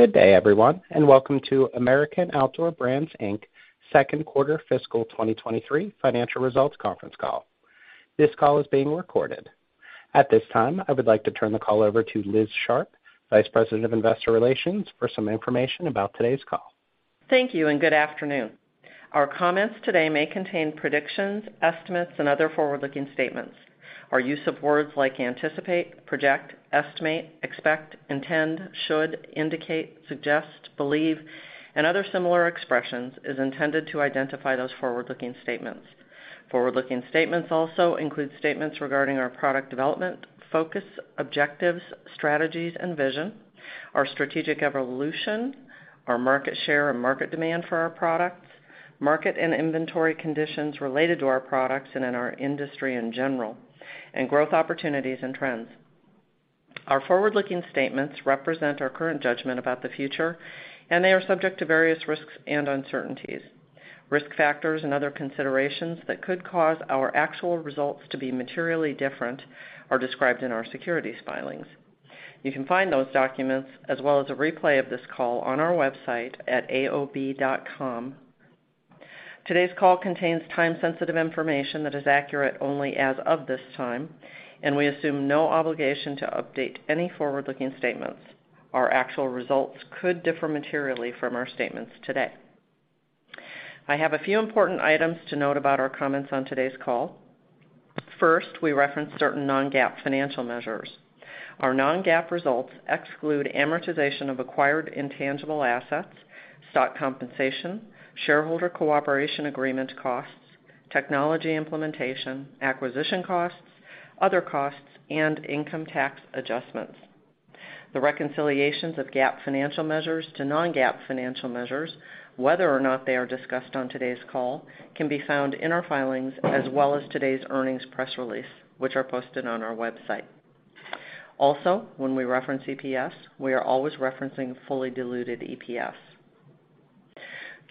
Good day, everyone, and welcome to American Outdoor Brands, Inc. second quarter fiscal 2023 financial results conference call. This call is being recorded. At this time, I would like to turn the call over to Liz Sharp, Vice President of Investor Relations, for some information about today's call. Thank you, and good afternoon. Our comments today may contain predictions, estimates, and other forward-looking statements. Our use of words like anticipate, project, estimate, expect, intend, should, indicate, suggest, believe, and other similar expressions is intended to identify those forward-looking statements. Forward-looking statements also include statements regarding our product development, focus, objectives, strategies, and vision, our strategic evolution, our market share and market demand for our products, market and inventory conditions related to our products and in our industry in general, and growth opportunities and trends. Our forward-looking statements represent our current judgment about the future, and they are subject to various risks and uncertainties. Risk factors and other considerations that could cause our actual results to be materially different are described in our securities filings. You can find those documents as well as a replay of this call on our website at aob.com. Today's call contains time-sensitive information that is accurate only as of this time, and we assume no obligation to update any forward-looking statements. Our actual results could differ materially from our statements today. I have a few important items to note about our comments on today's call. First, we reference certain non-GAAP financial measures. Our non-GAAP results exclude amortization of acquired intangible assets, stock compensation, shareholder cooperation agreement costs, technology implementation, acquisition costs, other costs, and income tax adjustments. The reconciliations of GAAP financial measures to non-GAAP financial measures, whether or not they are discussed on today's call, can be found in our filings as well as today's earnings press release, which are posted on our website. When we reference EPS, we are always referencing fully diluted EPS.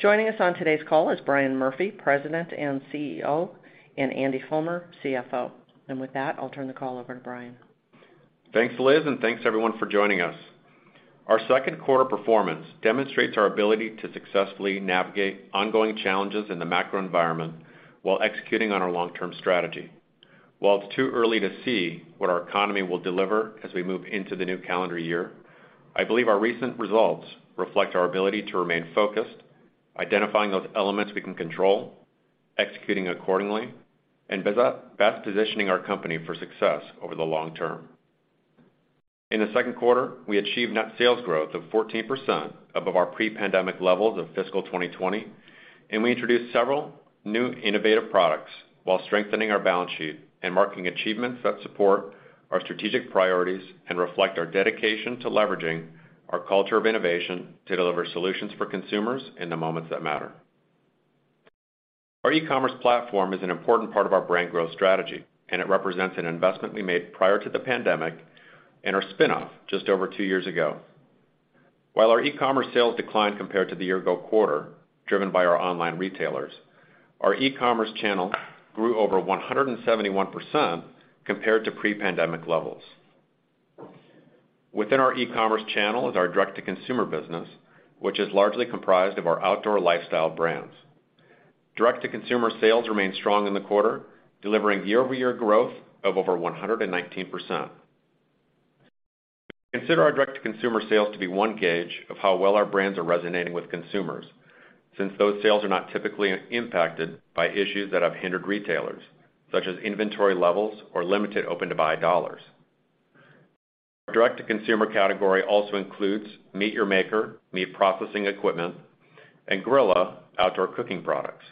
Joining us on today's call is Brian Murphy, President and CEO, and Andy Fulmer, CFO. With that, I'll turn the call over to Brian. Thanks, Liz. Thanks everyone for joining us. Our second quarter performance demonstrates our ability to successfully navigate ongoing challenges in the macro environment while executing on our long-term strategy. While it's too early to see what our economy will deliver as we move into the new calendar year, I believe our recent results reflect our ability to remain focused, identifying those elements we can control, executing accordingly, and best positioning our company for success over the long term. In the second quarter, we achieved net sales growth of 14% above our pre-pandemic levels of fiscal 2020, and we introduced several new innovative products while strengthening our balance sheet and marking achievements that support our strategic priorities and reflect our dedication to leveraging our culture of innovation to deliver solutions for consumers in the moments that matter. Our e-commerce platform is an important part of our brand growth strategy, and it represents an investment we made prior to the pandemic and our spin-off just over two years ago. While our e-commerce sales declined compared to the year-ago quarter, driven by our online retailers, our e-commerce channel grew over 171% compared to pre-pandemic levels. Within our e-commerce channel is our direct-to-consumer business, which is largely comprised of our outdoor lifestyle brands. Direct-to-consumer sales remained strong in the quarter, delivering year-over-year growth of over 119%. Consider our direct-to-consumer sales to be 1 gauge of how well our brands are resonating with consumers, since those sales are not typically impacted by issues that have hindered retailers, such as inventory levels or limited open-to-buy dollars. Our direct-to-consumer category also includes MEAT! Your Maker meat processing equipment and Grilla outdoor cooking products.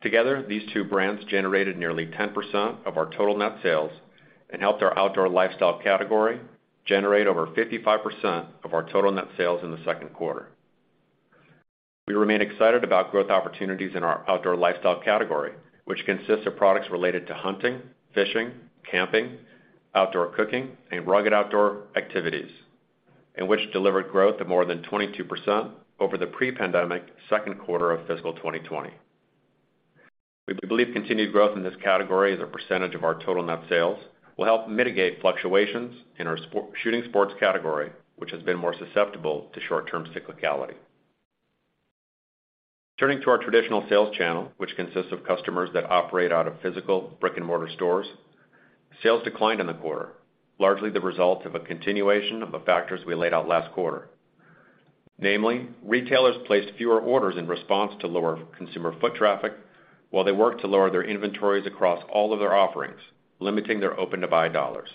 Together, these two brands generated nearly 10% of our total net sales and helped our outdoor lifestyle category generate over 55% of our total net sales in the second quarter. We remain excited about growth opportunities in our outdoor lifestyle category, which consists of products related to hunting, fishing, camping, outdoor cooking, and rugged outdoor activities, and which delivered growth of more than 22% over the pre-pandemic second quarter of fiscal 2020. We believe continued growth in this category as a percentage of our total net sales will help mitigate fluctuations in our shooting sports category, which has been more susceptible to short-term cyclicality. Turning to our traditional sales channel, which consists of customers that operate out of physical brick-and-mortar stores, sales declined in the quarter, largely the result of a continuation of the factors we laid out last quarter. Namely, retailers placed fewer orders in response to lower consumer foot traffic while they worked to lower their inventories across all of their offerings, limiting their open-to-buy dollars.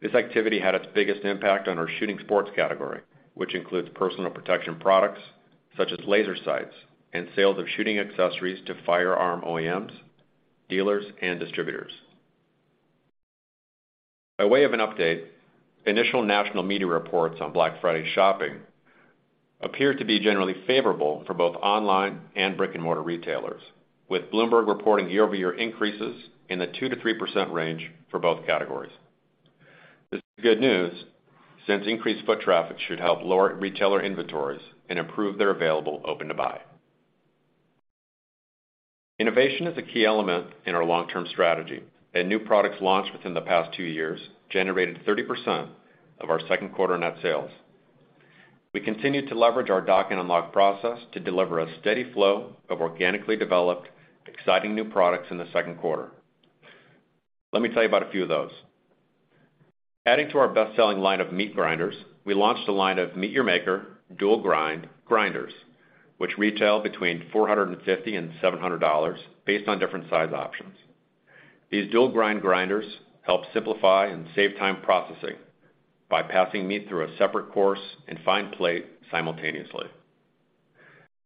This activity had its biggest impact on our shooting sports category, which includes personal protection products such as laser sights and sales of shooting accessories to firearm OEMs, dealers, and distributors. By way of an update, initial national media reports on Black Friday shopping appear to be generally favorable for both online and brick-and-mortar retailers, with Bloomberg reporting year-over-year increases in the 2%-3% range for both categories. This is good news since increased foot traffic should help lower retailer inventories and improve their available open-to-buy. Innovation is a key element in our long-term strategy, and new products launched within the past two years generated 30% of our second quarter net sales. We continued to leverage our Dock and Unlock process to deliver a steady flow of organically developed, exciting new products in the second quarter. Let me tell you about a few of those. Adding to our best-selling line of meat grinders, we launched a line of MEAT! Your Maker Dual Grind grinders, which retail between $450 and $700 based on different size options. These Dual Grind grinders help simplify and save time processing by passing meat through a separate coarse and fine plate simultaneously.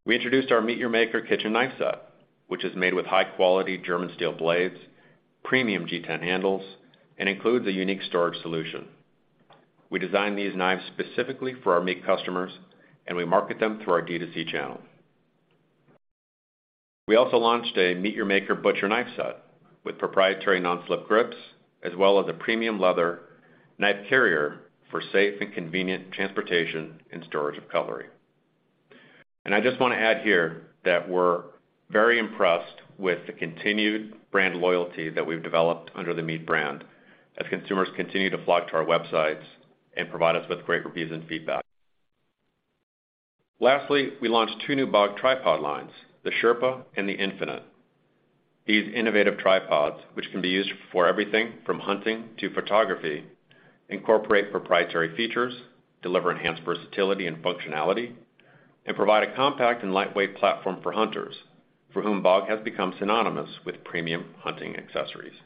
We introduced our MEAT! Your Maker kitchen knife set, which is made with high-quality German steel blades, premium G10 handles, and includes a unique storage solution. We designed these knives specifically for our meat customers, and we market them through our DTC channel. We also launched a MEAT! Your Maker butcher knife set with proprietary non-slip grips, as well as a premium leather knife carrier for safe and convenient transportation and storage of cutlery. I just wanna add here that we're very impressed with the continued brand loyalty that we've developed under the MEAT! brand, as consumers continue to flock to our websites and provide us with great reviews and feedback. Lastly, we launched two new BOG tripod lines, the Sherpa and the Infinite. These innovative tripods, which can be used for everything from hunting to photography, incorporate proprietary features, deliver enhanced versatility and functionality, and provide a compact and lightweight platform for hunters for whom BOG has become synonymous with premium hunting accessories.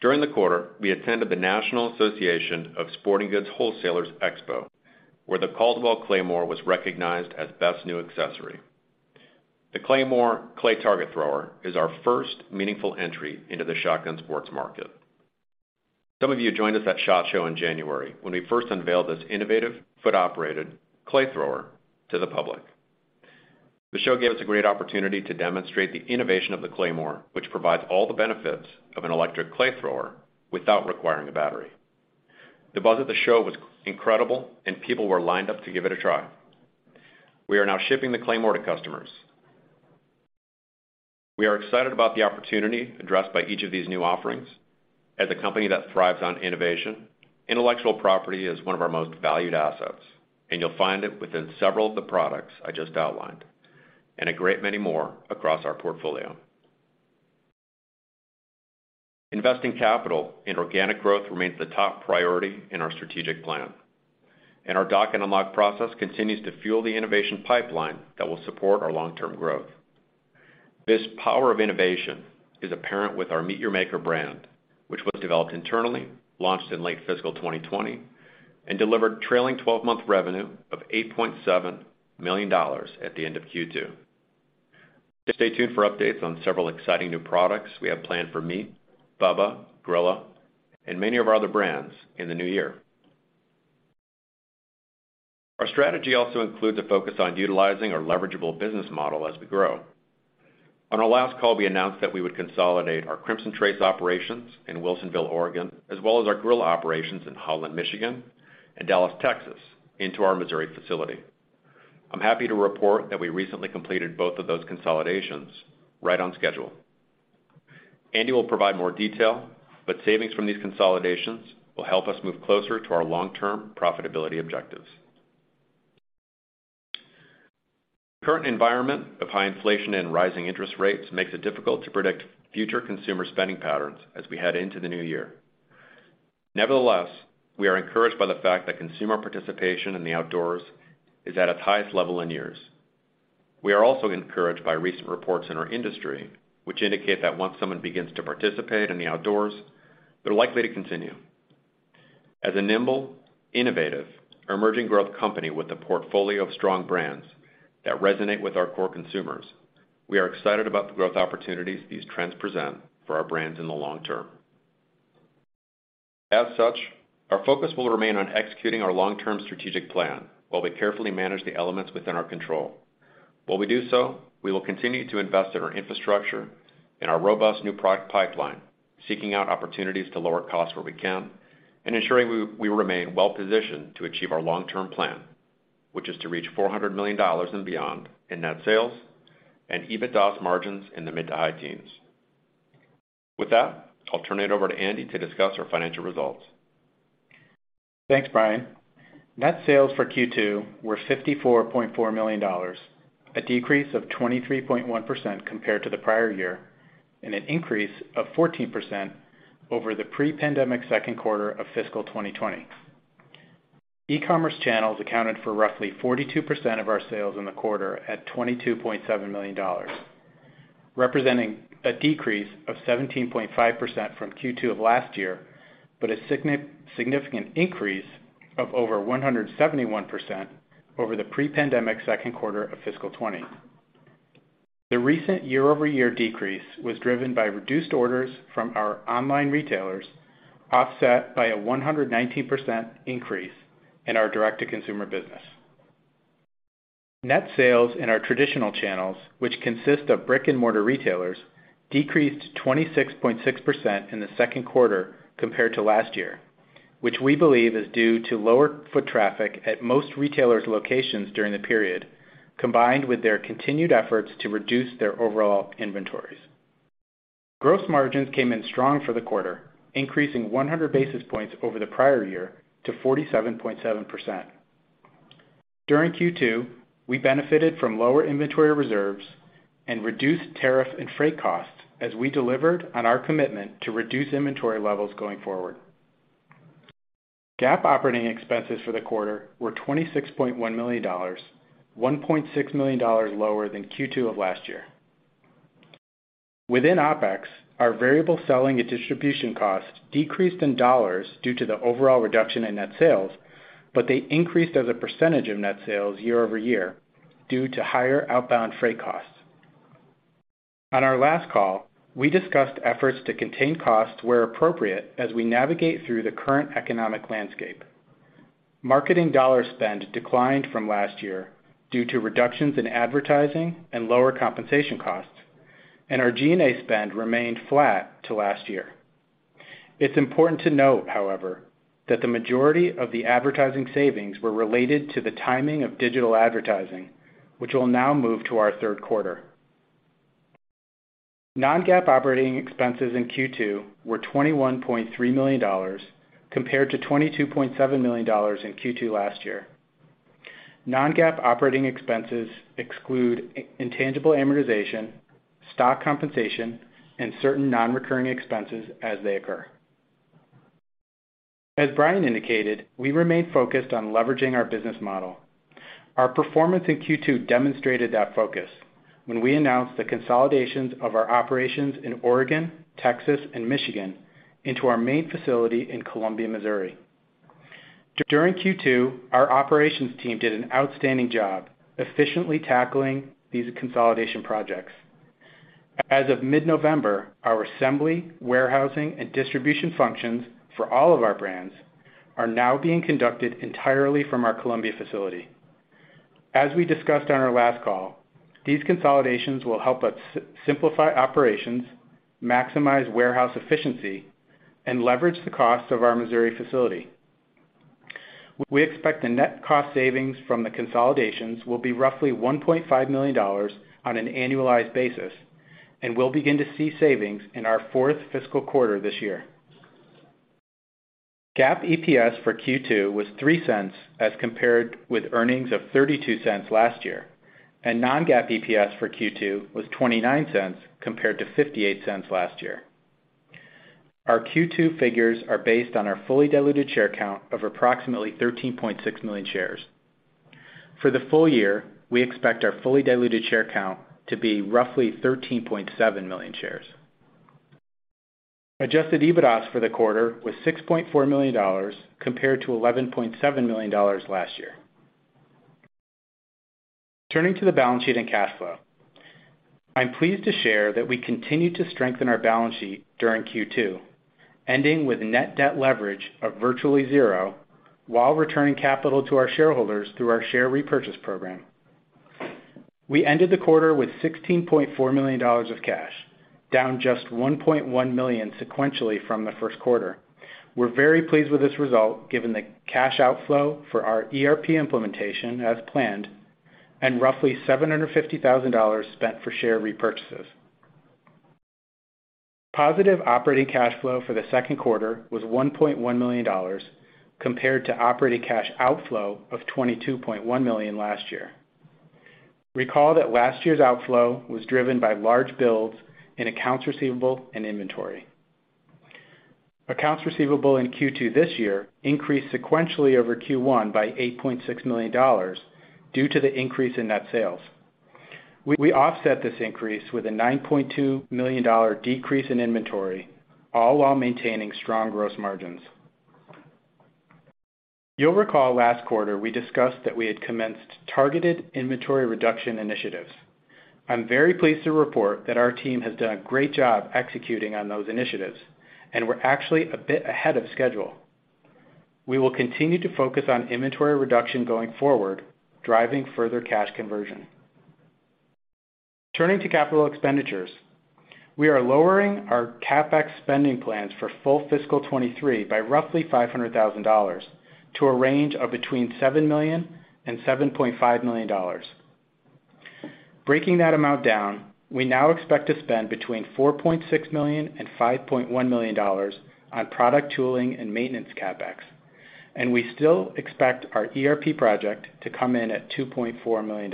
During the quarter, we attended the National Association of Sporting Goods Wholesalers Expo, where the Caldwell Claymore was recognized as best new accessory. The Claymore Clay Target Thrower is our first meaningful entry into the shotgun sports market. Some of you joined us at SHOT Show in January when we first unveiled this innovative foot-operated clay thrower to the public. The show gave us a great opportunity to demonstrate the innovation of the Claymore, which provides all the benefits of an electric clay thrower without requiring a battery. The buzz at the show was incredible. People were lined up to give it a try. We are now shipping the Claymore to customers. We are excited about the opportunity addressed by each of these new offerings. As a company that thrives on innovation, intellectual property is one of our most valued assets, and you'll find it within several of the products I just outlined, and a great many more across our portfolio. Investing capital in organic growth remains the top priority in our strategic plan. Our Dock and Unlock process continues to fuel the innovation pipeline that will support our long-term growth. This power of innovation is apparent with our MEAT! Your Maker brand, which was developed internally, launched in late fiscal 2020, and delivered trailing 12-month revenue of $8.7 million at the end of Q2. Stay tuned for updates on several exciting new products we have planned for MEAT!, BUBBA, Grilla, and many of our other brands in the new year. Our strategy also includes a focus on utilizing our leverageable business model as we grow. On our last call, we announced that we would consolidate our Crimson Trace operations in Wilsonville, Oregon, as well as our Grilla operations in Holland, Michigan and Dallas, Texas, into our Missouri facility. I'm happy to report that we recently completed both of those consolidations right on schedule. Andy will provide more detail. Savings from these consolidations will help us move closer to our long-term profitability objectives. The current environment of high inflation and rising interest rates makes it difficult to predict future consumer spending patterns as we head into the new year. Nevertheless, we are encouraged by the fact that consumer participation in the outdoors is at its highest level in years. We are also encouraged by recent reports in our industry, which indicate that once someone begins to participate in the outdoors, they're likely to continue. As a nimble, innovative, emerging growth company with a portfolio of strong brands that resonate with our core consumers, we are excited about the growth opportunities these trends present for our brands in the long term. As such, our focus will remain on executing our long-term strategic plan while we carefully manage the elements within our control. While we do so, we will continue to invest in our infrastructure and our robust new product pipeline, seeking out opportunities to lower costs where we can and ensuring we remain well-positioned to achieve our long-term plan, which is to reach $400 million and beyond in net sales and EBITDAS margins in the mid to high teens. With that, I'll turn it over to Andy to discuss our financial results. Thanks, Brian. Net sales for Q2 were $54.4 million, a decrease of 23.1% compared to the prior year, an increase of 14% over the pre-pandemic second quarter of fiscal 2020. E-commerce channels accounted for roughly 42% of our sales in the quarter at $22.7 million, representing a decrease of 17.5% from Q2 of last year, a significant increase of over 171% over the pre-pandemic second quarter of fiscal 2020. The recent year-over-year decrease was driven by reduced orders from our online retailers, offset by a 119% increase in our direct-to-consumer business. Net sales in our traditional channels, which consist of brick-and-mortar retailers, decreased 26.6% in the second quarter compared to last year. Which we believe is due to lower foot traffic at most retailers locations during the period, combined with their continued efforts to reduce their overall inventories. Gross margins came in strong for the quarter, increasing 100 basis points over the prior year to 47.7%. During Q2, we benefited from lower inventory reserves and reduced tariff and freight costs as we delivered on our commitment to reduce inventory levels going forward. GAAP operating expenses for the quarter were $26.1 million, $1.6 million lower than Q2 of last year. Within OpEx, our variable selling and distribution costs decreased in dollars due to the overall reduction in net sales, but they increased as a percentage of net sales year-over-year due to higher outbound freight costs. On our last call, we discussed efforts to contain costs where appropriate as we navigate through the current economic landscape. Marketing dollar spend declined from last year due to reductions in advertising and lower compensation costs, and our G&A spend remained flat to last year. It's important to note, however, that the majority of the advertising savings were related to the timing of digital advertising, which will now move to our third quarter. Non-GAAP operating expenses in Q2 were $21.3 million compared to $22.7 million in Q2 last year. Non-GAAP operating expenses exclude intangible amortization, stock compensation and certain non-recurring expenses as they occur. As Brian indicated, we remain focused on leveraging our business model. Our performance in Q2 demonstrated that focus when we announced the consolidations of our operations in Oregon, Texas and Michigan into our main facility in Columbia, Missouri. During Q2, our operations team did an outstanding job efficiently tackling these consolidation projects. As of mid-November, our assembly, warehousing, and distribution functions for all of our brands are now being conducted entirely from our Columbia facility. As we discussed on our last call, these consolidations will help us simplify operations, maximize warehouse efficiency, and leverage the costs of our Missouri facility. We expect the net cost savings from the consolidations will be roughly $1.5 million on an annualized basis, and we'll begin to see savings in our fourth fiscal quarter this year. GAAP EPS for Q2 was $0.03 as compared with earnings of $0.32 last year. Non-GAAP EPS for Q2 was $0.29 compared to $0.58 last year. Our Q2 figures are based on our fully diluted share count of approximately 13.6 million shares. For the full year, we expect our fully diluted share count to be roughly 13.7 million shares. Adjusted EBITDAS for the quarter was $6.4 million compared to $11.7 million last year. Turning to the balance sheet and cash flow. I'm pleased to share that we continue to strengthen our balance sheet during Q2, ending with net debt leverage of virtually 0 while returning capital to our shareholders through our share repurchase program. We ended the quarter with $16.4 million of cash, down just $1.1 million sequentially from the first quarter. We're very pleased with this result, given the cash outflow for our ERP implementation as planned and roughly $750,000 spent for share repurchases. Positive operating cash flow for the second quarter was $1.1 million compared to operating cash outflow of $22.1 million last year. Recall that last year's outflow was driven by large builds in accounts receivable and inventory. Accounts receivable in Q2 this year increased sequentially over Q1 by $8.6 million due to the increase in net sales. We offset this increase with a $9.2 million decrease in inventory, all while maintaining strong gross margins. You'll recall last quarter we discussed that we had commenced targeted inventory reduction initiatives. I'm very pleased to report that our team has done a great job executing on those initiatives. We're actually a bit ahead of schedule. We will continue to focus on inventory reduction going forward, driving further cash conversion. Turning to capital expenditures. We are lowering our CapEx spending plans for full fiscal 2023 by roughly $500,000 to a range of between $7 million and $7.5 million. Breaking that amount down, we now expect to spend between $4.6 million and $5.1 million on product tooling and maintenance CapEx and we still expect our ERP project to come in at $2.4 million.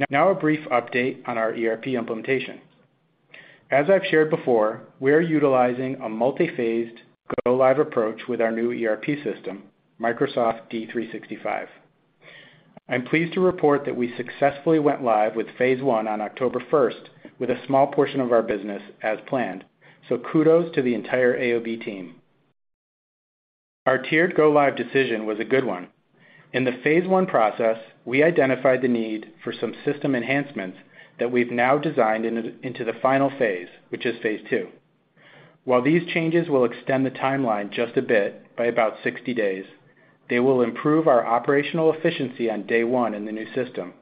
A brief update on our ERP implementation. As I've shared before, we are utilizing a multi-phased go-live approach with our new ERP system, Microsoft D365. I'm pleased to report that we successfully went live with phase I on 1 October with a small portion of our business as planned. Kudos to the entire AOB team. Our tiered go-live decision was a good one. In the phase I process, we identified the need for some system enhancements that we've now designed into the final phase, which is phase II. While these changes will extend the timeline just a bit by about 60 days, they will improve our operational efficiency on day one in the new system.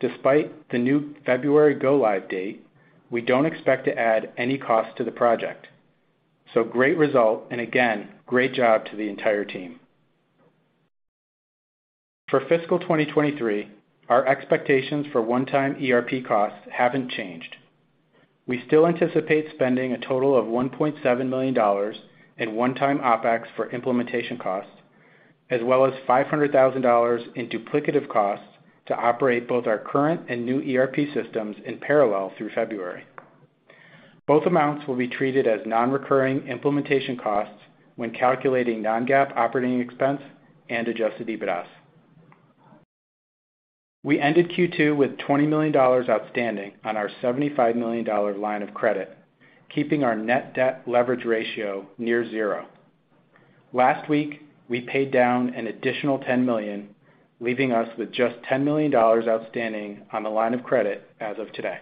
Despite the new February go live date, we don't expect to add any cost to the project. Great result, and again, great job to the entire team. For fiscal 2023, our expectations for one-time ERP costs haven't changed. We still anticipate spending a total of $1.7 million in one-time OpEx for implementation costs, as well as $500,000 in duplicative costs to operate both our current and new ERP systems in parallel through February. Both amounts will be treated as non-recurring implementation costs when calculating non-GAAP operating expense and adjusted EBITDA's. We ended Q2 with $20 million outstanding on our $75 million line of credit, keeping our net debt leverage ratio near zero. Last week, we paid down an additional $10 million, leaving us with just $10 million outstanding on the line of credit as of today.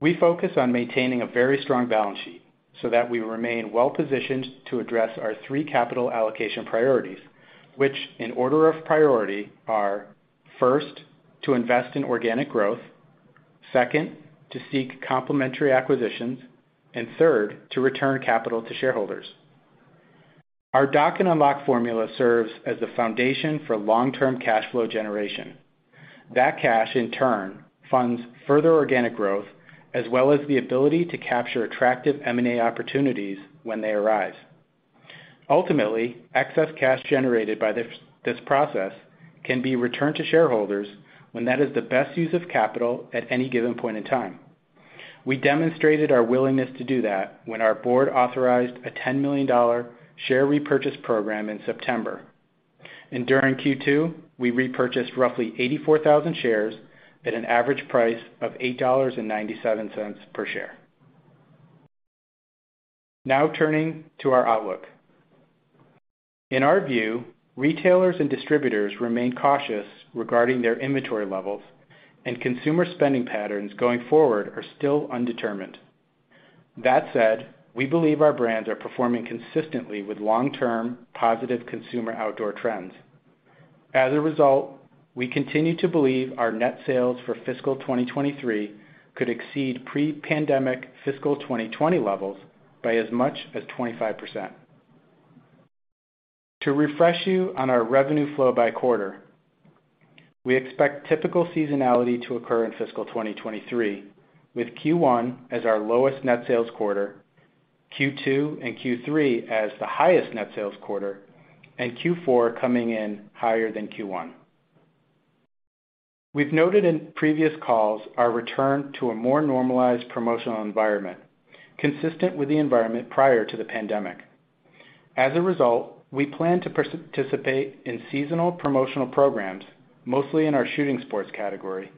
We focus on maintaining a very strong balance sheet so that we remain well-positioned to address our three capital allocation priorities, which in order of priority are, first, to invest in organic growth, second, to seek complementary acquisitions, and third, to return capital to shareholders. Our Dock and Unlock formula serves as the foundation for long-term cash flow generation. That cash, in turn, funds further organic growth, as well as the ability to capture attractive M&A opportunities when they arise. Ultimately, excess cash generated by this process can be returned to shareholders when that is the best use of capital at any given point in time. We demonstrated our willingness to do that when our board authorized a $10 million share repurchase program in September. During Q2, we repurchased roughly 84,000 shares at an average price of $8.97 per share. Turning to our outlook. In our view, retailers and distributors remain cautious regarding their inventory levels. Consumer spending patterns going forward are still undetermined. That said, we believe our brands are performing consistently with long-term positive consumer outdoor trends. We continue to believe our net sales for fiscal 2023 could exceed pre-pandemic fiscal 2020 levels by as much as 25%. To refresh you on our revenue flow by quarter, we expect typical seasonality to occur in fiscal 2023, with Q1 as our lowest net sales quarter, Q2 and Q3 as the highest net sales quarter and Q4 coming in higher than Q1. We've noted in previous calls our return to a more normalized promotional environment, consistent with the environment prior to the pandemic. As a result, we plan to participate in seasonal promotional programs, mostly in our shooting sports category,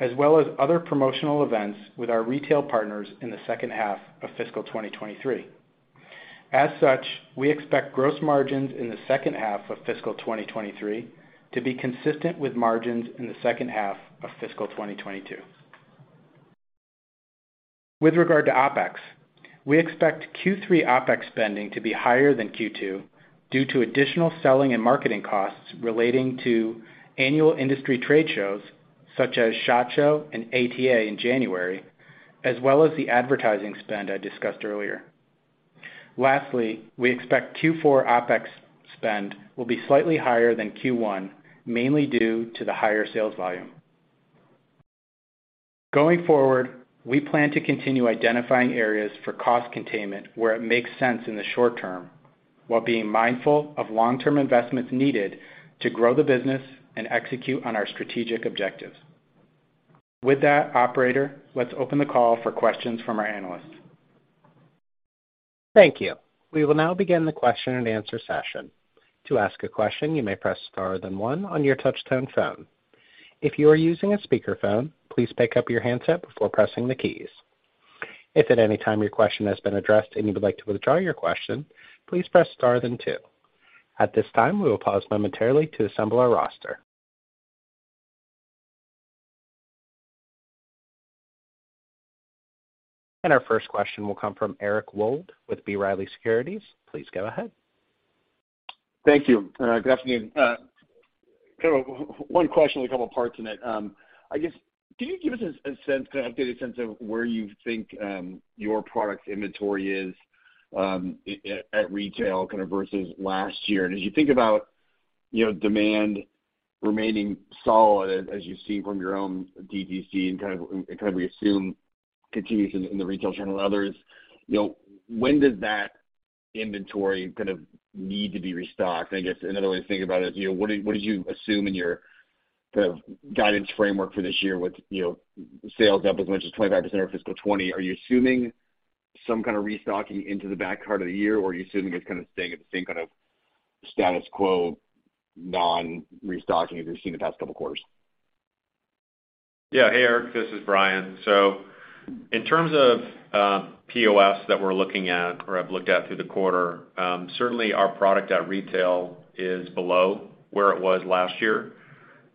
as well as other promotional events with our retail partners in the second half of fiscal 2023. As such, we expect gross margins in the second half of fiscal 2023 to be consistent with margins in the second half of fiscal 2022. With regard to OpEx, we expect Q3 OpEx spending to be higher than Q2 due to additional selling and marketing costs relating to annual industry trade shows, such as SHOT Show and ATA in January, as well as the advertising spend I discussed earlier. Lastly, we expect Q4 OpEx spend will be slightly higher than Q1, mainly due to the higher sales volume. Going forward, we plan to continue identifying areas for cost containment where it makes sense in the short term while being mindful of long-term investments needed to grow the business and execute on our strategic objectives. With that, operator, let's open the call for questions from our analysts. Thank you. We will now begin the question and answer session. To ask a question, you may press star then one on your touch-tone phone. If you are using a speakerphone, please pick up your handset before pressing the keys. If at any time your question has been addressed and you would like to withdraw your question, please press star then two. At this time, we will pause momentarily to assemble our roster. Our first question will come from Eric Wold with B. Riley Securities. Please go ahead. Thank you. Good afternoon. Kind of one question with a couple parts in it. I guess, can you give us a sense, kind of update, a sense of where you think your product inventory is at retail kind of versus last year? As you think about, you know, demand remaining solid as you see from your own DTC and we assume continues in the retail channel and others, you know, when does that inventory kind of need to be restocked? I guess another way to think about it is, you know, what did you assume in your kind of guidance framework for this year with, you know, sales up as much as 25% of fiscal 2020? Are you assuming some kind of restocking into the back part of the year or are you assuming it's kind of staying at the same kind of status quo, non-restocking as we've seen the past couple of quarters? Yeah. Hey, Eric, this is Brian. In terms of POS that we're looking at or have looked at through the quarter, certainly our product at retail is below where it was last year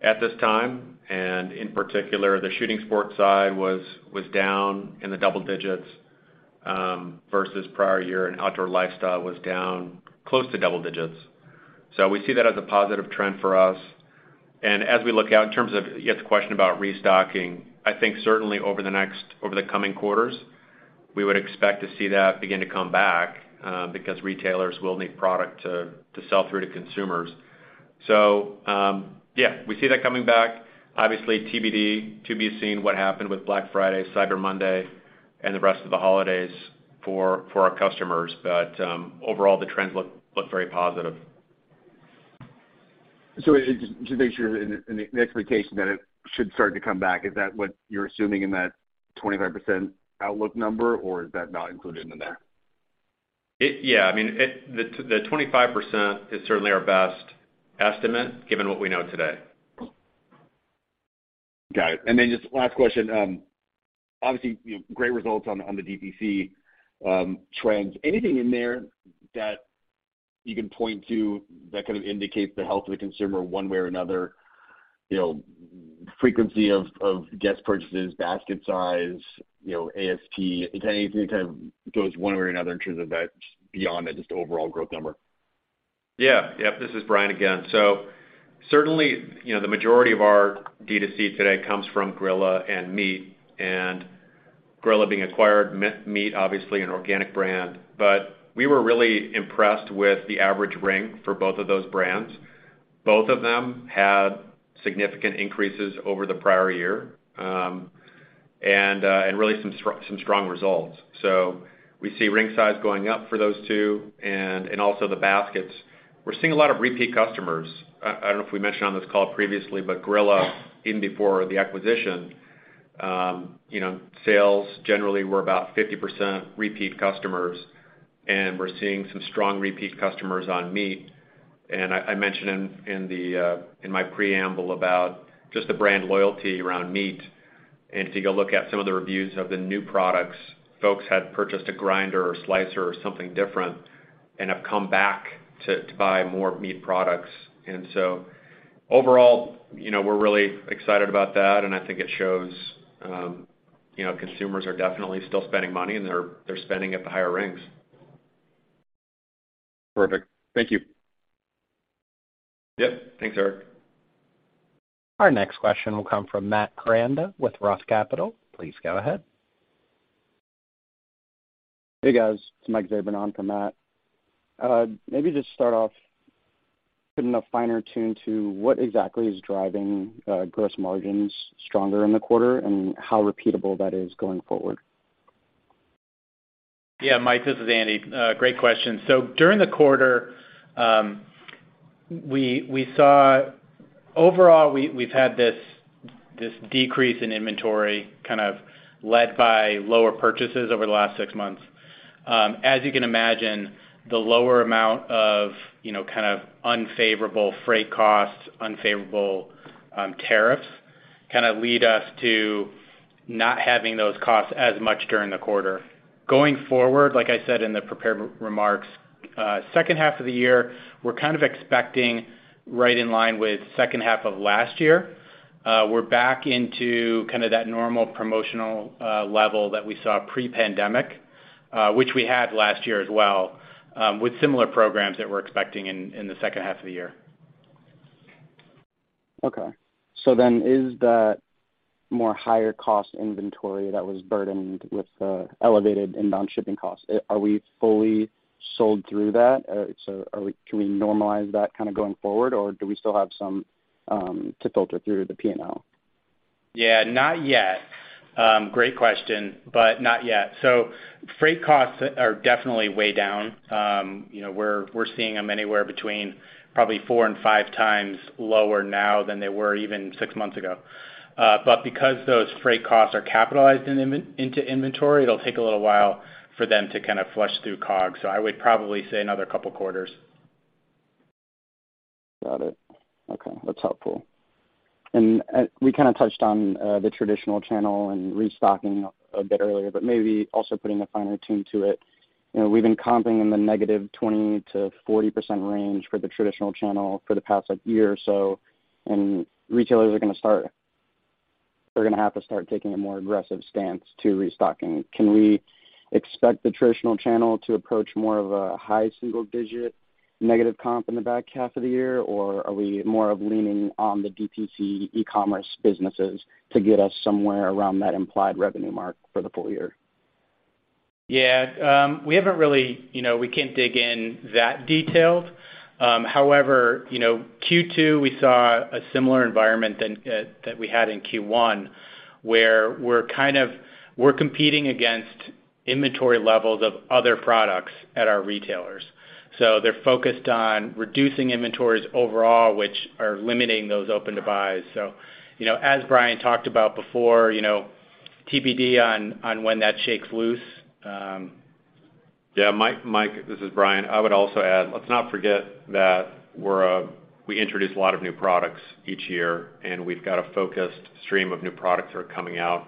at this time and in particular, the shooting sports side was down in the double digits versus prior year and outdoor lifestyle was down close to double digits. We see that as a positive trend for us. As we look out in terms of, you asked the question about restocking, I think certainly over the coming quarters, we would expect to see that begin to come back because retailers will need product to sell through to consumers. Yeah, we see that coming back, obviously TBD, to be seen what happened with Black Friday, Cyber Monday, and the rest of the holidays for our customers. Overall, the trends look very positive. Just to make sure I understand. In the expectation that it should start to come back, is that what you're assuming in that 25% outlook number, or is that not included in the math? Yeah. I mean, the 25% is certainly our best estimate given what we know today. Got it. Just last question. Obviously, you know, great results on the DTC trends. Anything in there that you can point to that kind of indicates the health of the consumer one way or another, you know, frequency of guest purchases, basket size, you know, ASP? Is there anything kind of goes one way or another in terms of that just beyond just overall growth number? Yeah. Yep, this is Brian again. Certainly, you know, the majority of our D2C today comes from Grilla and MEAT!. Grilla being acquired, MEAT!, obviously an organic brand. We were really impressed with the average ring for both of those brands. Both of them had significant increases over the prior year, and really some strong results. We see ring size going up for those two and also the baskets. We're seeing a lot of repeat customers. I don't know if we mentioned on this call previously, but Grilla, even before the acquisition, you know, sales generally were about 50% repeat customers, and we're seeing some strong repeat customers on MEAT!. I mentioned in the preamble about just the brand loyalty around MEAT!. If you go look at some of the reviews of the new products, folks had purchased a grinder or slicer or something different and have come back to buy more MEAT! products. Overall, you know, we're really excited about that, and I think it shows, you know, consumers are definitely still spending money, and they're spending at the higher rings. Perfect. Thank you. Yep. Thanks, Eric. Our next question will come from Matthew Koranda with Roth Capital. Please go ahead. Hey, guys. It's Mike Zabran on for Matt. Maybe just start off putting a finer tune to what exactly is driving gross margins stronger in the quarter and how repeatable that is going forward. Mike, this is Andy. Great question. During the quarter, overall, we've had this decrease in inventory kind of led by lower purchases over the last six months. As you can imagine, the lower amount of, you know, kind of unfavorable freight costs, unfavorable tariffs kind of lead us to not having those costs as much during the quarter. Going forward, like I said in the prepared remarks, second half of the year, we're kind of expecting right in line with second half of last year. We're back into kind of that normal promotional level that we saw pre-pandemic, which we had last year as well, with similar programs that we're expecting in the second half of the year. Is that more higher cost inventory that was burdened with the elevated inbound shipping costs? Are we fully sold through that? Can we normalize that kind of going forward, or do we still have some to filter through the P&L? Yeah, not yet. Great question, but not yet. Freight costs are definitely way down. you know, we're seeing them anywhere between probably 4 and 5 times lower now than they were even six months ago. But because those freight costs are capitalized into inventory, it'll take a little while for them to kind of flush through COGS. I would probably say another couple quarters. Got it. Okay, that's helpful. We kind of touched on the traditional channel and restocking a bit earlier, but maybe also putting a finer tune to it. You know, we've been comping in the negative 20%-40% range for the traditional channel for the past, like, year or so. Retailers are gonna have to start taking a more aggressive stance to restocking. Can we expect the traditional channel to approach more of a high single-digit negative comp in the back half of the year, or are we more of leaning on the DTC e-commerce businesses to get us somewhere around that implied revenue mark for the full year? Yeah. We haven't really, you know, we can't dig in that detailed. However, you know, Q2, we saw a similar environment than that we had in Q1, where we're competing against inventory levels of other products at our retailers. They're focused on reducing inventories overall, which are limiting those open to buys. You know, as Brian talked about before, you know, TBD on when that shakes loose. Yeah. Mike, this is Brian. I would also add, let's not forget that we introduce a lot of new products each year. We've got a focused stream of new products that are coming out.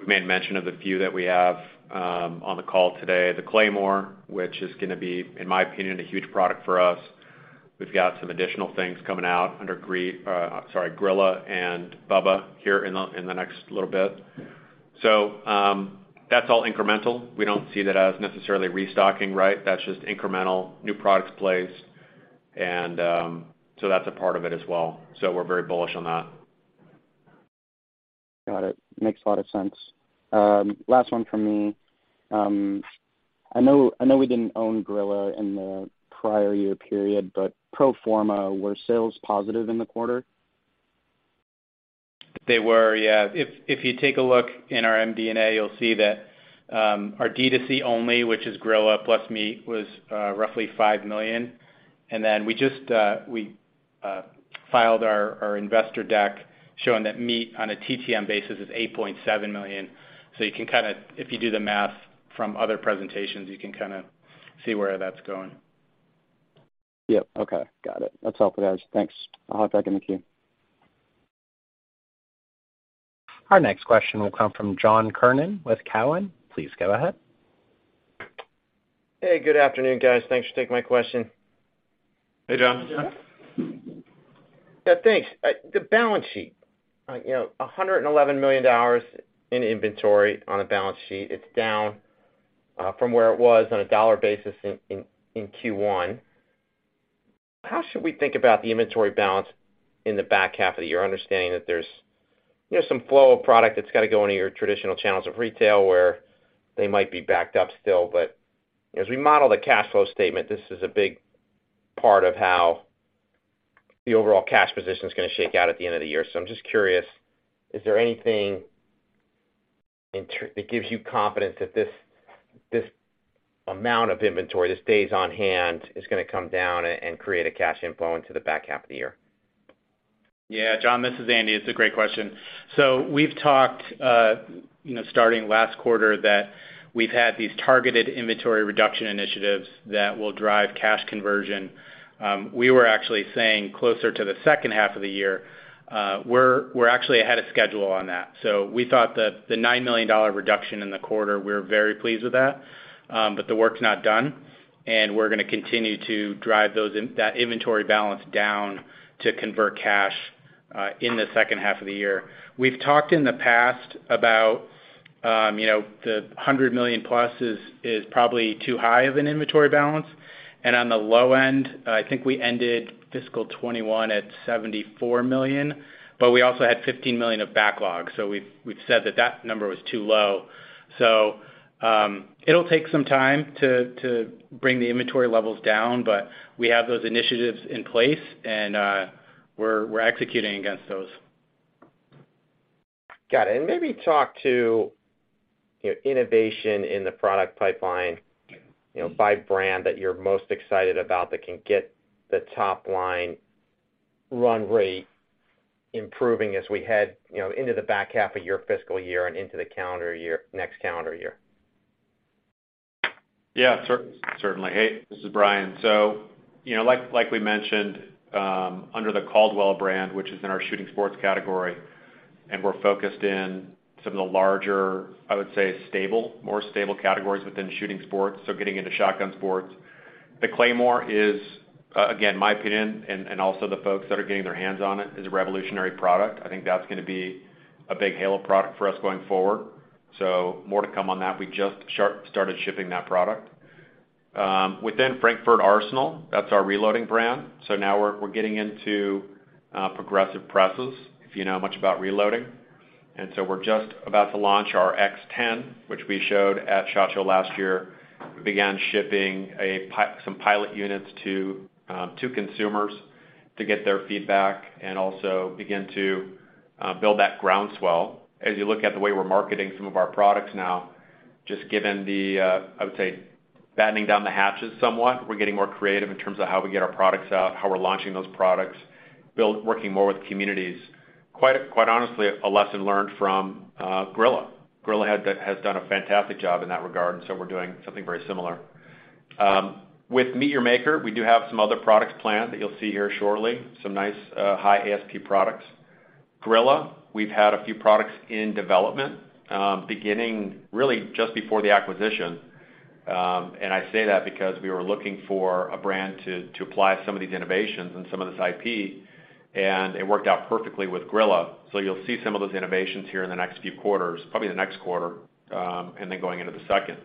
We made mention of the few that we have on the call today. The Claymore, which is gonna be, in my opinion, a huge product for us. We've got some additional things coming out under, sorry, Grilla and BUBBA here in the, in the next little bit. That's all incremental. We don't see that as necessarily restocking, right? That's just incremental new products plays. That's a part of it as well. We're very bullish on that. Got it. Makes a lot of sense. Last one from me. I know we didn't own Grilla in the prior year period but pro forma, were sales positive in the quarter? They were, yeah. If you take a look in our MD&A, you'll see that our DTC only, which is Grilla plus MEAT! was roughly $5 million. Then we just filed our investor deck showing that MEAT! on a TTM basis is $8.7 million. You can kind of, if you do the math from other presentations, you can kind of see where that's going. Yep. Okay. Got it. That's all for now. Thanks. I'll hop back in the queue. Our next question will come from John Kernan with TD Cowen. Please go ahead. Hey, good afternoon, guys. Thanks for taking my question. Hey, John. Yeah, thanks. The balance sheet. You know, $111 million in inventory on a balance sheet. It's down from where it was on a dollar basis in Q1. How should we think about the inventory balance in the back half of the year, understanding that there's, you know, some flow of product that's got to go into your traditional channels of retail where they might be backed up still? As we model the cash flow statement, this is a big part of how the overall cash position is gonna shake out at the end of the year. I'm just curious, is there anything that gives you confidence that this amount of inventory, this stays on hand, is gonna come down and create a cash inflow into the back half of the year? Yeah. John, this is Andy. It's a great question. We've talked, you know, starting last quarter, that we've had these targeted inventory reduction initiatives that will drive cash conversion. We were actually saying closer to the second half of the year, we're actually ahead of schedule on that. We thought that the $9 million reduction in the quarter, we're very pleased with that, but the work's not done, and we're gonna continue to drive that inventory balance down to convert cash in the second half of the year. We've talked in the past about, you know, the $100 million+ is probably too high of an inventory balance. On the low end, I think we ended fiscal 2021 at $74 million, but we also had $15 million of backlog. We've said that that number was too low. It'll take some time to bring the inventory levels down, but we have those initiatives in place and we're executing against those. Got it. Maybe talk to, you know, innovation in the product pipeline, you know, by brand that you're most excited about that can get the top line run rate improving as we head, you know, into the back half of your fiscal year and into the next calendar year. Certainly. Hey, this is Brian. You know, like we mentioned, under the Caldwell brand, which is in our shooting sports category. We're focused in some of the larger, I would say stable, more stable categories within shooting sports, so getting into shotgun sports. The Claymore is, again, my opinion and also the folks that are getting their hands on it, is a revolutionary product. I think that's gonna be a big halo product for us going forward. More to come on that. We just started shipping that product. Within Frankford Arsenal, that's our reloading brand. Now we're getting into progressive presses, if you know much about reloading. We're just about to launch our X-10, which we showed at SHOT Show last year. We began shipping some pilot units to consumers to get their feedback and also begin to build that groundswell. As you look at the way we're marketing some of our products now, just given the, I would say, battening down the hatches somewhat, we're getting more creative in terms of how we get our products out, how we're launching those products, working more with communities. Quite honestly, a lesson learned from Grilla. Grilla has done a fantastic job in that regard, and so we're doing something very similar. With MEAT! Your Maker, we do have some other products planned that you'll see here shortly, some nice, high ASP products. Grilla, we've had a few products in development, beginning really just before the acquisition. I say that because we were looking for a brand to apply some of these innovations and some of this IP, and it worked out perfectly with Grilla. You'll see some of those innovations here in the next few quarters, probably the next quarter, and then going into the second.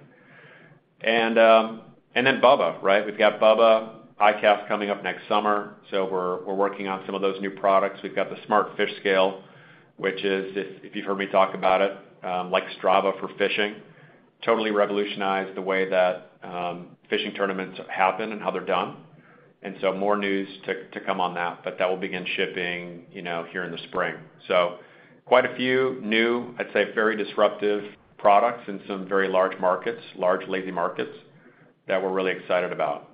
BUBBA, right? We've got BUBBA ICAST coming up next summer, so we're working on some of those new products. We've got the Smart Fish Scale, which is if you've heard me talk about it, like Strava for fishing. Totally revolutionized the way that fishing tournaments happen and how they're done, more news to come on that. That will begin shipping, you know, here in the spring. Quite a few new, I'd say, very disruptive products in some very large markets, large lazy markets, that we're really excited about.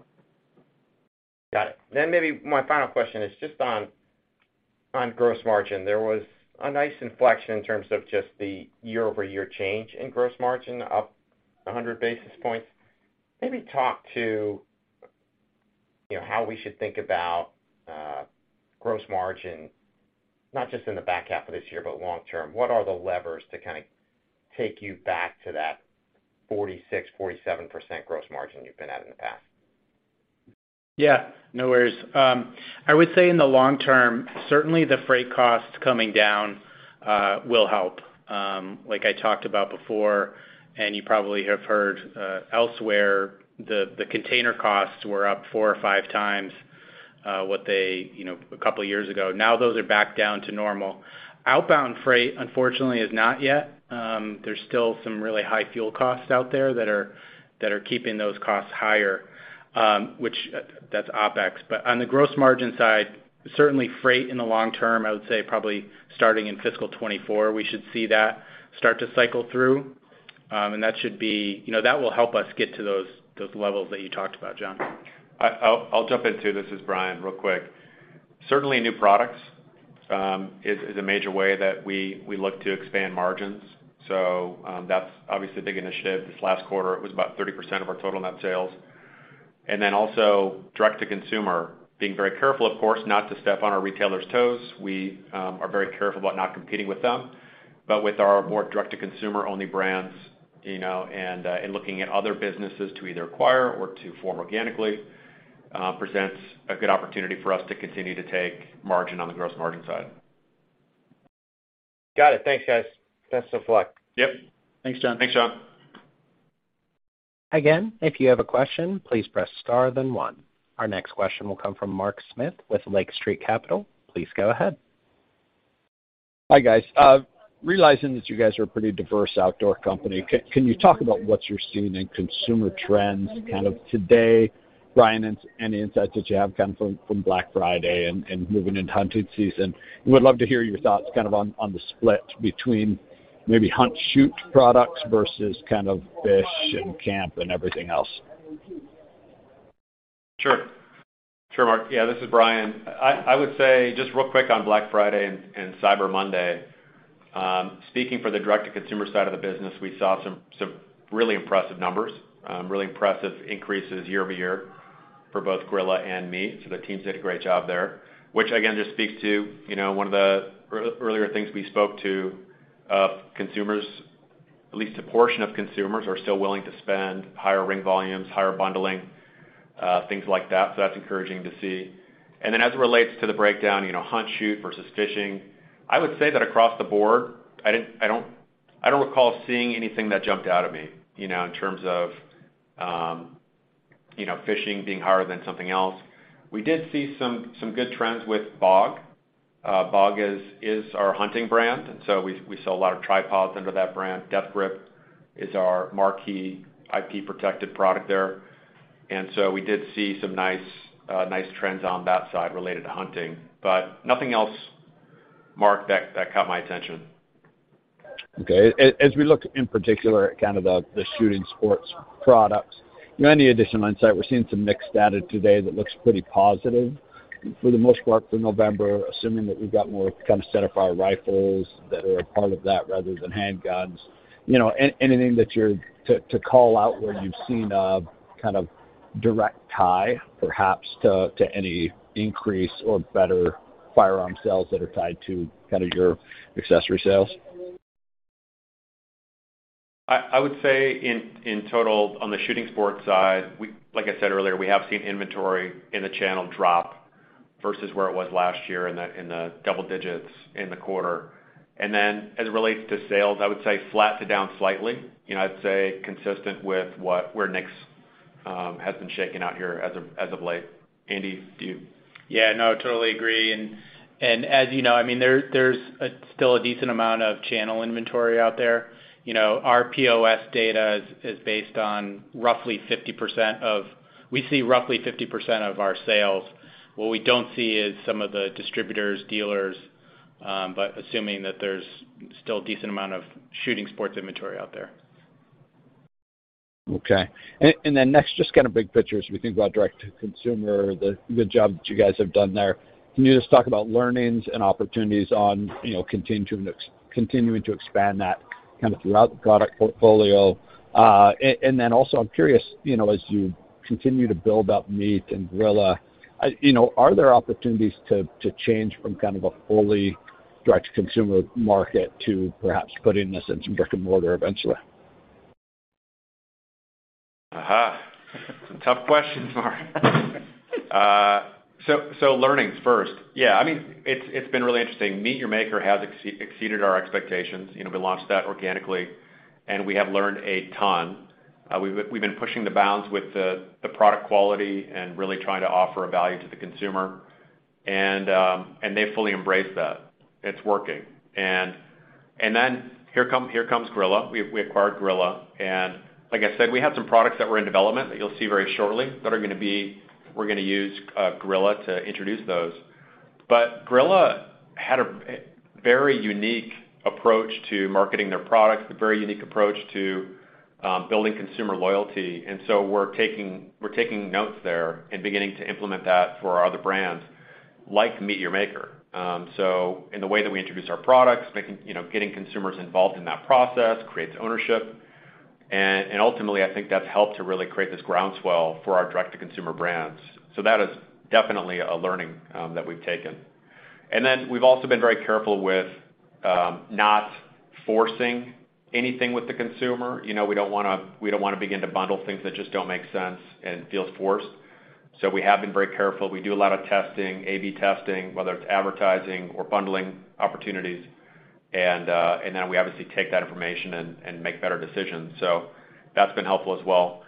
Got it. Maybe my final question is just on gross margin. There was a nice inflection in terms of just the year-over-year change in gross margin, up 100 basis points. Maybe talk to, you know, how we should think about gross margin, not just in the back half of this year, but long term, what are the levers to kind of take you back to that 46%-47% gross margin you've been at in the past? Yeah, no worries. I would say in the long term, certainly the freight costs coming down, will help. Like I talked about before, and you probably have heard elsewhere, the container costs were up 4 or 5 times what they, you know, a couple of years ago. Now those are back down to normal. Outbound freight, unfortunately, is not yet. There's still some really high fuel costs out there that are keeping those costs higher, which that's OpEx. On the gross margin side, certainly freight in the long term, I would say probably starting in fiscal 2024, we should see that start to cycle through. You know, that will help us get to those levels that you talked about, John. I'll jump in too. This is Brian, real quick. Certainly new products is a major way that we look to expand margins. That's obviously a big initiative. This last quarter, it was about 30% of our total net sales. Also direct-to-consumer, being very careful, of course, not to step on our retailers' toes. We are very careful about not competing with them. With our more direct-to-consumer only brands, you know, and looking at other businesses to either acquire or to form organically, presents a good opportunity for us to continue to take margin on the gross margin side. Got it. Thanks, guys. Best of luck. Yep. Thanks, John. Thanks, John. If you have a question, please press star then one. Our next question will come from Mark Smith with Lake Street Capital. Please go ahead. Hi, guys. Realizing that you guys are a pretty diverse outdoor company, can you talk about what you're seeing in consumer trends kind of today, Brian, and any insights that you have kind of from Black Friday and moving into hunting season? We would love to hear your thoughts kind of on the split between maybe hunt, shoot products versus kind of fish and camp and everything else. Sure. Sure, Mark. Yeah, this is Brian. I would say just real quick on Black Friday and Cyber Monday, speaking for the direct-to-consumer side of the business, we saw some really impressive numbers, really impressive increases year-over-year for both Grilla and MEAT!. The teams did a great job there, which again, just speaks to, you know, one of the earlier things we spoke to of consumers, at least a portion of consumers are still willing to spend higher ring volumes, higher bundling, things like that. That's encouraging to see. As it relates to the breakdown, you know, hunt, shoot versus fishing, I would say that across the board, I don't recall seeing anything that jumped out at me, you know, in terms of, you know, fishing being higher than something else. We did see some good trends with BOG. BOG is our hunting brand. We sell a lot of tripods under that brand. DeathGrip is our marquee IP protected product there. We did see some nice trends on that side related to hunting. Nothing else, Mark, that caught my attention. Okay. As we look in particular at kind of the shooting sports products, you know, any additional insight? We're seeing some mixed data today that looks pretty positive for the most part for November, assuming that we've got more kind of center fire rifles that are a part of that rather than handguns. You know, anything that you're to call out where you've seen a kind of direct tie perhaps to any increase or better firearm sales that are tied to kind of your accessory sales? I would say in total, on the shooting sports side, like I said earlier, we have seen inventory in the channel drop versus where it was last year in the, in the double digits in the quarter. As it relates to sales, I would say flat to down slightly. You know, I'd say consistent with where NICS has been shaking out here as of, as of late. Andy, do you? Yeah, no, totally agree. As you know, I mean, there's still a decent amount of channel inventory out there. You know, We see roughly 50% of our sales. What we don't see is some of the distributors, dealers, but assuming that there's still a decent amount of shooting sports inventory out there. Okay. Then next, just kind of big picture as we think about direct-to-consumer, the job that you guys have done there. Can you just talk about learnings and opportunities on, you know, continuing to expand that kind of throughout the product portfolio? Then also I'm curious, you know, as you continue to build up MEAT! and Grilla, you know, are there opportunities to change from kind of a fully direct-to-consumer market to perhaps putting this in some brick-and-mortar eventually? Tough questions, Mark. Learnings first. Yeah, I mean, it's been really interesting. MEAT! Your Maker has exceeded our expectations. You know, we launched that organically, and we have learned a ton. We've been pushing the bounds with the product quality and really trying to offer a value to the consumer, and they've fully embraced that. It's working. Here comes Grilla. We acquired Grilla and like I said, we had some products that were in development that you'll see very shortly that we're gonna use Grilla to introduce those. Grilla had a very unique approach to marketing their products, a very unique approach to building consumer loyalty. We're taking notes there and beginning to implement that for our other brands, like MEAT! Your Maker. So in the way that we introduce our products, you know, getting consumers involved in that process creates ownership. And ultimately, I think that's helped to really create this groundswell for our direct-to-consumer brands. That is definitely a learning that we've taken. We've also been very careful with not forcing anything with the consumer. You know, we don't wanna begin to bundle things that just don't make sense and feels forced. We have been very careful. We do a lot of testing, A/B testing, whether it's advertising or bundling opportunities. Then we obviously take that information and make better decisions. That's been helpful as well.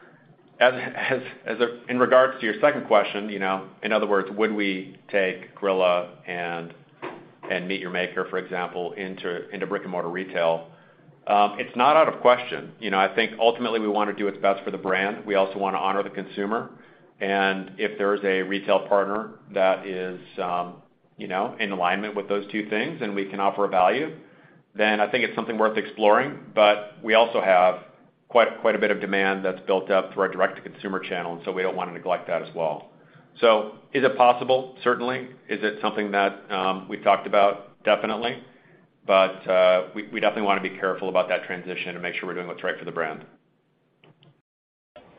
In regards to your second question, you know, in other words, would we take Grilla and MEAT! Your Maker, for example, into brick-and-mortar retail? It's not out of question. You know, I think ultimately we wanna do what's best for the brand. We also wanna honor the consumer. If there is a retail partner that is, you know, in alignment with those two things and we can offer a value, then I think it's something worth exploring. We also have quite a bit of demand that's built up through our direct-to-consumer channel, we don't wanna neglect that as well. Is it possible? Certainly. Is it something that we've talked about? Definitely. We definitely wanna be careful about that transition to make sure we're doing what's right for the brand.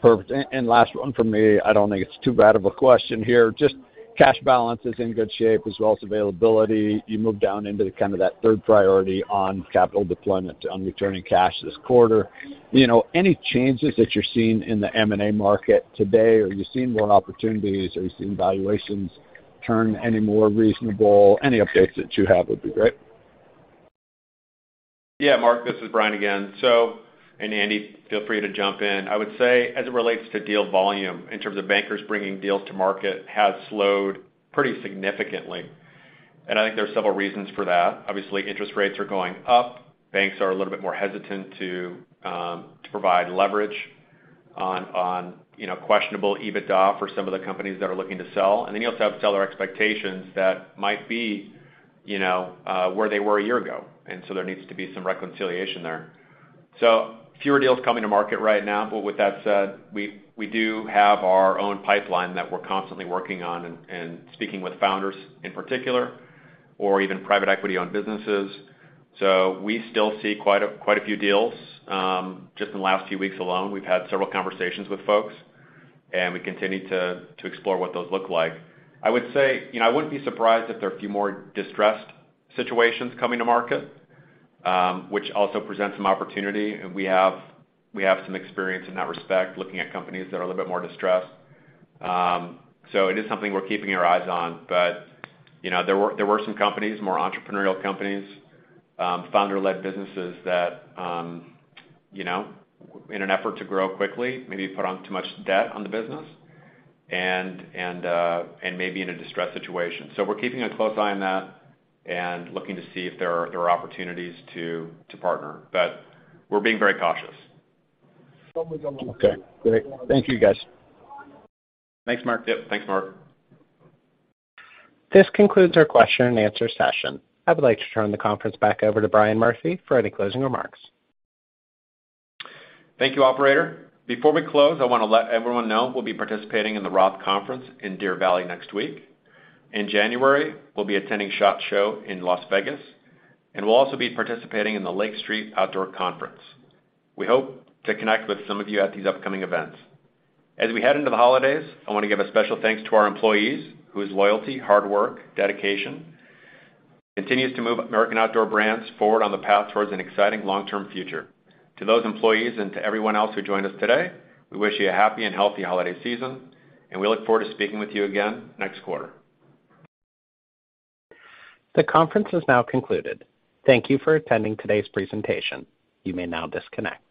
Perfect. Last one from me, I don't think it's too bad of a question here. Just cash balance is in good shape as well as availability. You moved down into kind of that 3rd priority on capital deployment on returning cash this quarter. You know, any changes that you're seeing in the M&A market today? Are you seeing more opportunities? Are you seeing valuations turn any more reasonable? Any updates that you have would be great. Yeah Mark, this is Brian again. Andy, feel free to jump in. I would say, as it relates to deal volume, in terms of bankers bringing deals to market has slowed pretty significantly. I think there's several reasons for that. Obviously, interest rates are going up. Banks are a little bit more hesitant to provide leverage on, you know, questionable EBITDA for some of the companies that are looking to sell. You also have seller expectations that might be, you know, where they were a year ago, and so there needs to be some reconciliation there. Fewer deals coming to market right now. With that said, we do have our own pipeline that we're constantly working on and speaking with founders in particular, or even private equity-owned businesses. We still see quite a few deals. Just in the last few weeks alone, we've had several conversations with folks, and we continue to explore what those look like. I would say, you know, I wouldn't be surprised if there are a few more distressed situations coming to market, which also presents some opportunity, and we have some experience in that respect, looking at companies that are a little bit more distressed. It is something we're keeping our eyes on. You know, there were some companies, more entrepreneurial companies, founder-led businesses that, you know, in an effort to grow quickly, maybe put on too much debt on the business and may be in a distressed situation. We're keeping a close eye on that and looking to see if there are opportunities to partner. We're being very cautious. Okay, great. Thank you, guys. Thanks, Mark. Yep, thanks, Mark. This concludes our question and answer session. I would like to turn the conference back over to Brian Murphy for any closing remarks. Thank you, operator. Before we close, I wanna let everyone know we'll be participating in the ROTH Conference in Deer Valley next week. In January, we'll be attending SHOT Show in Las Vegas, and we'll also be participating in the Lake Street Outdoor Conference. We hope to connect with some of you at these upcoming events. As we head into the holidays, I wanna give a special thanks to our employees, whose loyalty, hard work, dedication continues to move American Outdoor Brands forward on the path towards an exciting long-term future. To those employees and to everyone else who joined us today, we wish you a happy and healthy holiday season, and we look forward to speaking with you again next quarter. The conference is now concluded. Thank you for attending today's presentation. You may now disconnect.